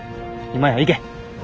今やいけ！